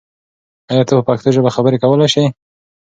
آیا ته په پښتو ژبه خبرې کولای سې؟